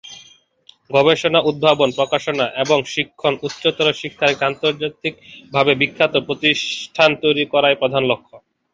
গবেষণা, উদ্ভাবন, প্রকাশনা এবং শিক্ষণ উচ্চতর শিক্ষার একটি আন্তর্জাতিকভাবে বিখ্যাত প্রতিষ্ঠান তৈরী করাই প্রধান লক্ষ।